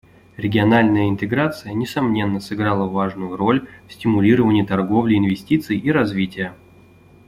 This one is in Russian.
Региональная интеграция, несомненно, сыграла важную роль в стимулировании торговли, инвестиций и развития.